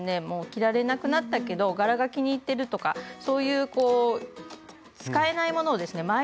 もう着られなくなったけど柄が気に入ってるとかそういうこう使えないものをですね